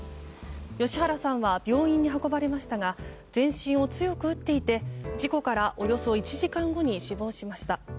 吉原さんは病院に運ばれましたが全身を強く打っていて事故からおよそ１時間後に死亡しました。